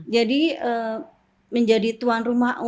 jadi menjadi tuan rumah untuk